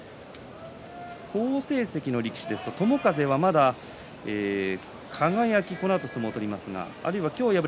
好成績の力士は友風はまだ輝と相撲を取ります。